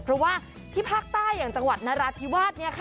เพราะว่าที่ภาคใต้อย่างจังหวัดนราธิวาสเนี่ยค่ะ